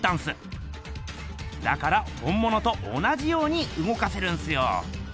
だから本ものと同じようにうごかせるんすよ。